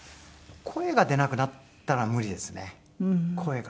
声が出なくなったら無理ですね声が。